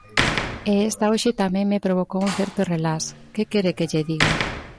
E esta hoxe tamén me provocou un certo relax, ¡que quere que lle diga!